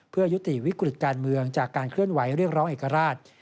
เพื่อยุติวิกฤตการเมืองจากการเคลื่อนไหวเรียกร้องเอกราช